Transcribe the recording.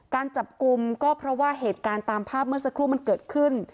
การจับกลุ่มก็เพราะว่าเหตุการณ์ตามภาพเมื่อสักครู่มันเกิดขึ้น